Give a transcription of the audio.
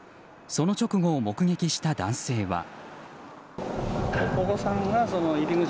その直後を目撃した男性は。